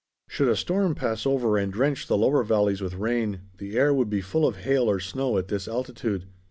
Should a storm pass over and drench the lower valleys with rain, the air would be full of hail or snow at this altitude.